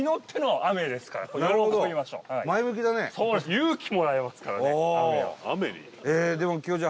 勇気もらえますからね、雨は。